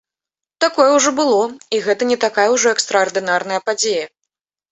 Такое ўжо было, і гэта не такая ўжо экстраардынарная падзея.